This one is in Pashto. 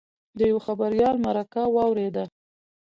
د یوه خبریال مرکه واورېده.